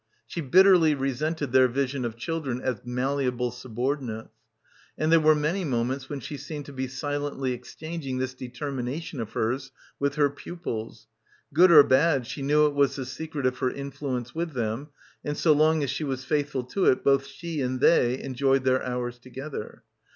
She bitterly resented their vision of children as malle able subordinates. And there were many mo ments when she seemed to be silently exchanging this determination of hers with her pupils. Good or bad, she knew it was the secret of her influence with them, and so long as she was faithful to it both she and they enjoyed their hours together.